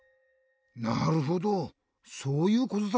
なるほどそういうことだったのか。